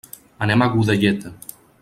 Anem a Godelleta.